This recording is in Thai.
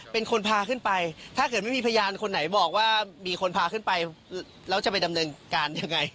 เป็นคนพาขึ้นไปถ้าเกิดไม่มีพยานคนไหนบอกว่ามีคนพาขึ้นไปแล้วจะไปดำเนินการยังไง